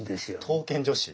刀剣女子？